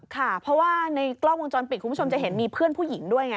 ค่ะเพราะว่าในกล้องวงจรปิดคุณผู้ชมจะเห็นมีเพื่อนผู้หญิงด้วยไง